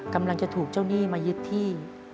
กำลังจะถูกเจ้าหนี้มายึดที่